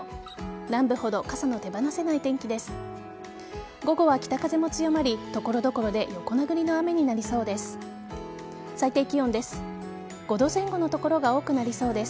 南部ほど傘の手放せない天気です。